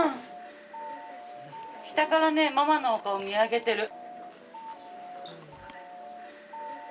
下からねママのお顔見上げてる。